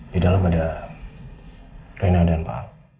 di dalam ada reina dan pak al